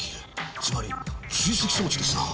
つまり追跡装置ですなぁ。